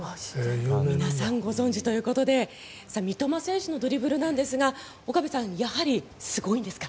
皆さんご存じということで三笘選手のドリブルなんですが岡部さん、やはりすごいんですか。